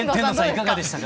いかがでしたか？